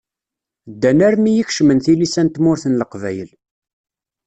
Ddan armi i kecmen tilisa n tmurt n Leqbayel.